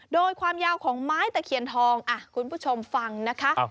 โดยความยาวของไม้ตะเคียนทองคุณผู้ชมฟังนะคะ